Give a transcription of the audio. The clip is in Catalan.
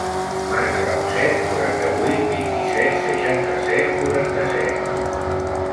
Marca el set, quaranta-vuit, vint-i-set, seixanta-set, quaranta-set.